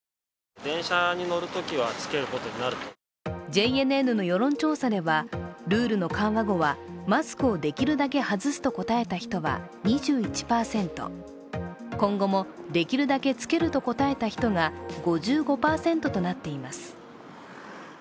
ＪＮＮの世論調査ではルールの緩和後はマスクをできるだけ外すと答えた人は２１％、今後もできるだけ着けると答えた人が５５％となっています。